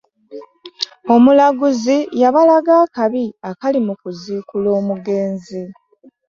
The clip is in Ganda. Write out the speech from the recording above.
Omulaguzi y'abalaga akabi akali mu kuziikula omugenzi.